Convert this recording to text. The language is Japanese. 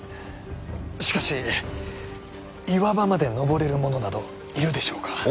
しかし岩場まで登れる者などいるでしょうか。